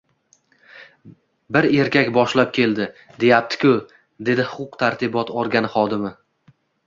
Bir erkak boshlab keldi, deyapti-ku, dedi huquq-tartibot organi xodimi